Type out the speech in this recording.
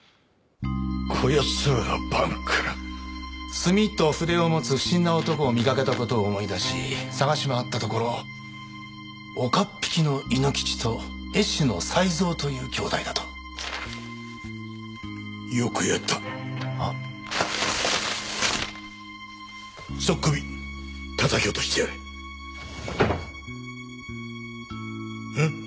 こやつらが晩来墨と筆を持つ不審な男を見かけたことを思い出し探し回ったところ岡っ引きの亥ノ吉と絵師の才三という兄弟だとよくやったはっ素っ首たたき落としてやれうん？